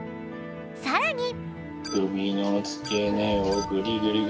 さらに。